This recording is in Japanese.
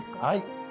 はい。